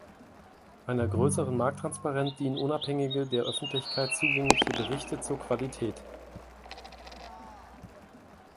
Einer größeren Markttransparenz dienen unabhängige, der Öffentlichkeit zugängliche Berichte zur Qualität.